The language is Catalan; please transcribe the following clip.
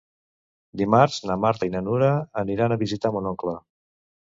Dimarts na Marta i na Nura aniran a visitar mon oncle.